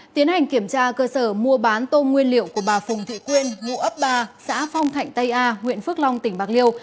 tiến hành kiểm tra cơ sở mua bán tôm nguyên liệu của bà phùng thị quyên ngụ ấp ba xã phong thạnh tây a huyện phước long tỉnh bạc liêu